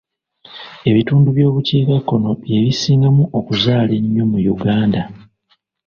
Ebitundu by'obukiikakkono bye bisingamu okuzaala ennyo mu Uganda.